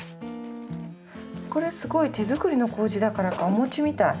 これすごい手作りの麹だからかお餅みたい。